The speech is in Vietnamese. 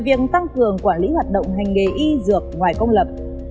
việc tăng cường quản lý hoạt động hành nghề y dược ngoài công lập